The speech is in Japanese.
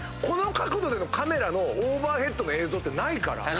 この角度でのカメラのオーバーヘッドの映像ってないから。